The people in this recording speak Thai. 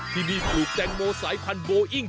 ที่มีปลูกแตงโมสายพันโบอิ้ง๗๔๗